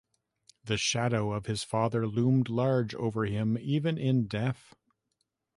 The shadow of his father loomed large over him even in death.